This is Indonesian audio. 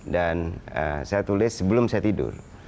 dan saya tulis sebelum saya tidur